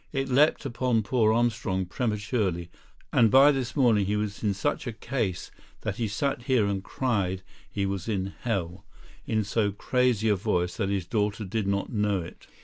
It leapt upon poor Armstrong prematurely, and by this morning he was in such a case that he sat here and cried he was in hell, in so crazy a voice that his daughter did not know it.